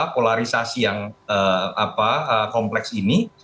polarisasi yang kompleks ini